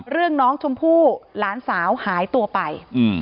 เรื่องน้องชมพู่หลานสาวหายตัวไป